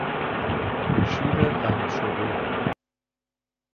شیر غنی شده